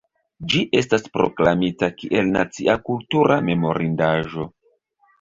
Ĝi estas proklamita kiel Nacia kultura memorindaĵo.